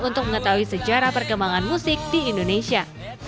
untuk mengetahui sejarah perkembangan musik di indonesia